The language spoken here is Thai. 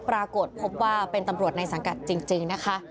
ปรากฏพบว่าเป็นตำรวจในสังกัดจริงนะคะ